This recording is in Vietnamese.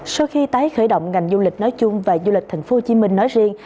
sau khi tái khởi động ngành du lịch nói chung và du lịch tp hcm nói riêng